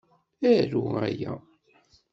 Aru aya.